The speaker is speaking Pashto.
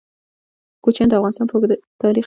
کوچیان د افغانستان په اوږده تاریخ کې ذکر شوی دی.